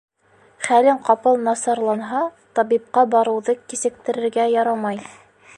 Хәлең ҡапыл насарланһа, табипҡа барыуҙы кисектерергә ярамай.